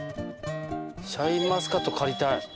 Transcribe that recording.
シャインマスカット狩りたい。